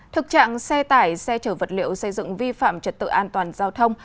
thực trạng xe tải xe chở vật liệu xây dựng vi phạm trật tự an toàn giao thông